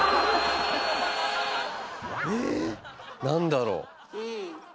何だろう？